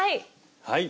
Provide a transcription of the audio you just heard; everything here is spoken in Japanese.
はい！